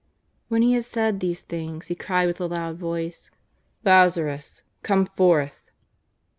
When He had said these things. He cried with a loud voice :" Lazarus, come forth."